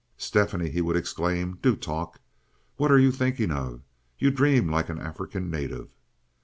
"Stephanie," he would exclaim, "do talk. What are you thinking of? You dream like an African native."